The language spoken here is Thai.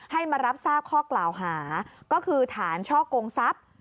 ให้มารับทราบข้อกล่าวหาก็คือฐานช่อกงทรัพย์